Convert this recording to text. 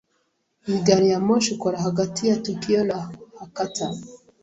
Iyi gari ya moshi ikora hagati ya Tokiyo na Hakata.